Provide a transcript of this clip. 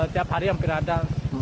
tiap hari hampir ada